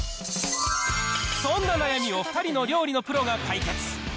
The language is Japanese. そんな悩みを２人の料理のプロが解決。